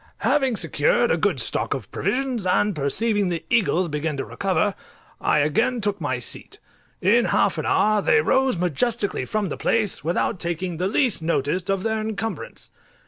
Having secured a good stock of provisions, and perceiving the eagles begin to recover, I again took my seat. In half an hour they arose majestically from the place, without taking the least notice of their incumbrance.